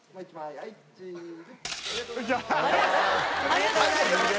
ありがとうございます。